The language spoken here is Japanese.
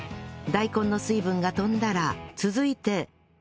大根の水分が飛んだら続いて